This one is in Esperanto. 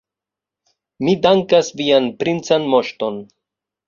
Mi dankas vian princan moŝton.